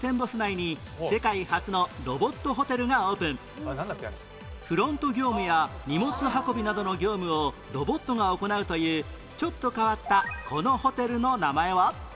６年前長崎県のフロント業務や荷物運びなどの業務をロボットが行うというちょっと変わったこのホテルの名前は？